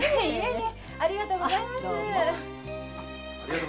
ありがとうございます！